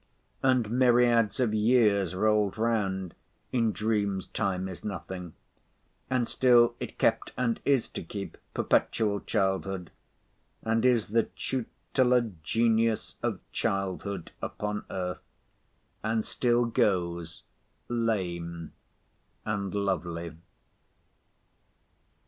And myriads of years rolled round (in dreams Time is nothing), and still it kept, and is to keep, perpetual childhood, and is the Tutelar Genius of Childhood upon earth, and still goes lame and lovely.